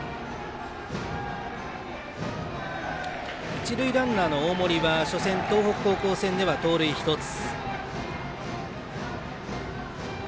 一塁ランナーの大森は初戦東北高校戦では盗塁１つ。